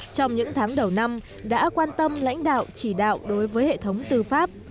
trong những tháng đầu năm đã quan tâm lãnh đạo chỉ đạo đối với hệ thống tư pháp